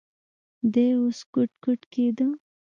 دى اوس ګوډ ګوډ کېده.